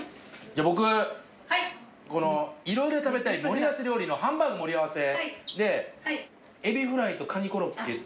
じゃあ僕この「いろいろ食べたい盛り合わせ料理」のハンバーグ盛り合わせでエビフライとカニコロッケっていう。